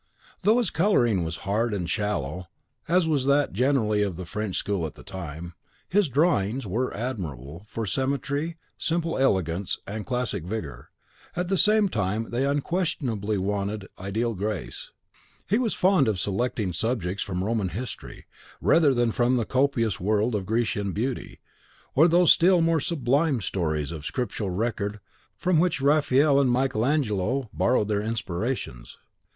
Though his colouring was hard and shallow, as was that generally of the French school at the time, his DRAWINGS were admirable for symmetry, simple elegance, and classic vigour; at the same time they unquestionably wanted ideal grace. He was fond of selecting subjects from Roman history, rather than from the copious world of Grecian beauty, or those still more sublime stories of scriptural record from which Raphael and Michael Angelo borrowed their inspirations.